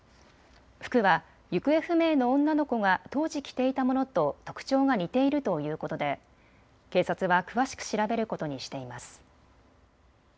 服は行方不明の女の子が当時、着ていたものと特徴が似ているということで警察は詳しく調べることにしています。